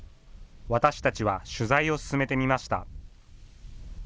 私たちは取材を進めてみました。